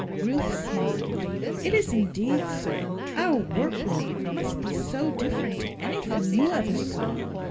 Ruth smiled. "It is, indeed, sir. Our workroom must be so different to anything you ever saw.